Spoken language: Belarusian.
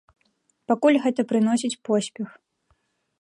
Пакуль гэта прыносіць поспех.